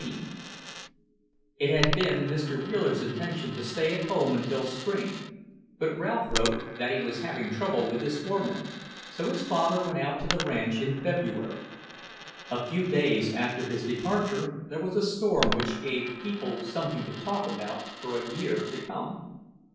XVII It had been Mr. Wheeler's intention to stay at home until spring, but Ralph wrote that he was having trouble with his foreman, so his father went out to the ranch in February. A few days after his departure there was a storm which gave people something to talk about for a year to come.